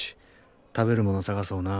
食べるもの探そうな。